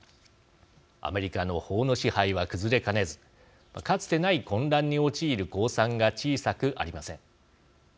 アメリカの法の支配は崩れかねずかつてない混乱に陥る公算が小さくありません。